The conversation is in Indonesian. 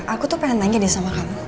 aku tuh pengen tanya deh sama kamu